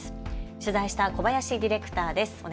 取材した小林ディレクターです。